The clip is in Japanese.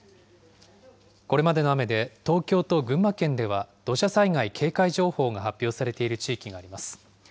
これまでの雨で、東京と群馬県では、土砂災害警戒情報が発表されている地域があります。